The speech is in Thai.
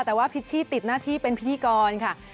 แต่ว่าพิชชี่ติดหน้าที่เป็นพิธีกรค่ะ